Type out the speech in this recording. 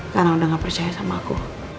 karena udah gak percaya sama aku